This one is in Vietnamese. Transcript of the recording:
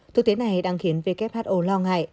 thực tế này đang khiến who lo ngại